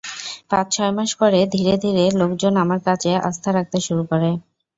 পাঁচ-ছয় মাস পরে ধীরে ধীরে লোকজন আমার কাজে আস্থা রাখতে শুরু করে।